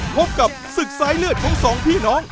พบกับศึกสายเลือดของสองพี่น้อง